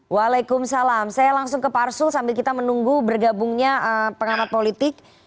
waalaikumsalam saya langsung ke pak arsul sambil kita menunggu bergabungnya pengamat politik